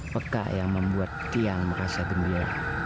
peka yang membuat tiang merasa gembira